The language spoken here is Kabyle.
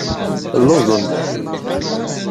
Lluẓent.